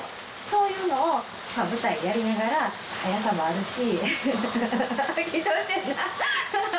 そういうのを舞台でやりながらはやさもあるし。